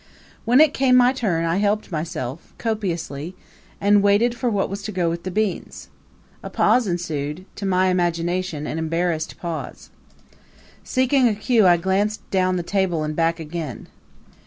When it came my turn I helped myself copiously and waited for what was to go with the beans. A pause ensued to my imagination an embarrassed pause. Seeking a cue I glanced down the table and back again.